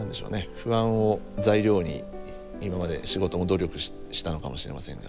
不安を材料に今まで仕事も努力したのかもしれませんが。